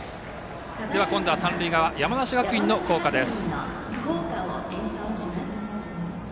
では、今度は三塁側、山梨学院の校歌です。